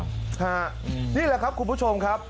นี่แหละครับคุณผู้ชมครับ